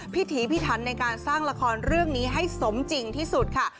ถีพิถันในการสร้างละครเรื่องนี้ให้สมจริงที่สุดค่ะ